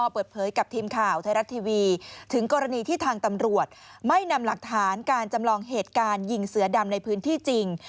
เปิดเผยกับทีมข่าวไทยรัฐทีวีถึงกรณีที่ทางตำรวจไม่นำหลักฐานการจำลองเหตุการณ์ยิงเสือดำในพื้นที่จริง